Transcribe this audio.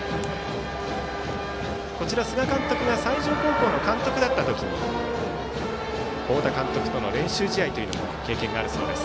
菅監督が西条高校の監督だった時に太田監督との練習試合も経験があるそうです。